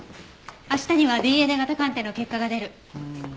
明日にはＤＮＡ型鑑定の結果が出る。